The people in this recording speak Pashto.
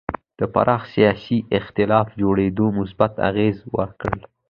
د پراخ سیاسي اېتلاف جوړېدو مثبت اغېز وکړ.